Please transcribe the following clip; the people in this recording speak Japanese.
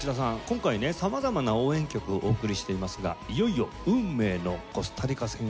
今回ね様々な応援曲をお送りしていますがいよいよ運命のコスタリカ戦を迎えます。